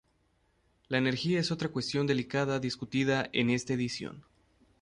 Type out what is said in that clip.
La energía es otra cuestión delicada discutida en esta edición.